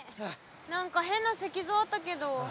何か変な石像あったけど。